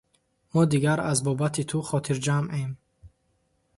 Мо дигар аз бобати ту хотирҷамъем.